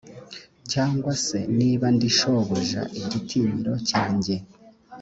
cyangwa se niba ndi shobuja igitinyiro cyanjye